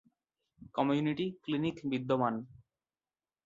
Community clinic বিদ্যমান।